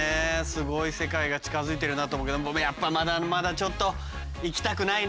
すごい世界が近づいてるなと思うけどやっぱまだまだちょっと行きたくないな怖いな。